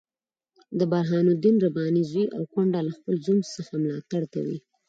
د برهان الدین رباني زوی او کونډه له خپل زوم څخه ملاتړ کوي.